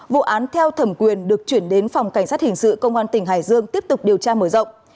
vụ án theo thẩm quyền được chuyển đến phòng cảnh sát hình sự công an tp chí linh tiếp tục điều tra mở rộng